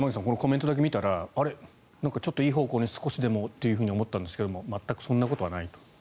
このコメントだけ見たらちょっといい方向に少しでもと思ったんですけど全くそんなことはないと。